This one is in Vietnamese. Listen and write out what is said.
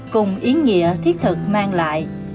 cùng ý nghĩa thiết thực mang lại